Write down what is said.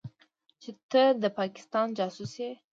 چې ته د پاکستان جاسوس يې.